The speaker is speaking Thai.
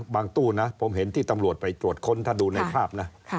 ตู้นะผมเห็นที่ตำรวจไปตรวจค้นถ้าดูในภาพนะ